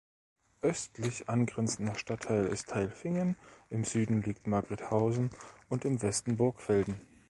Östlich angrenzender Stadtteil ist Tailfingen, im Süden liegt Margrethausen und im Westen Burgfelden.